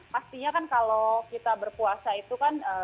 pastinya kan kalau kita berpuasa itu kan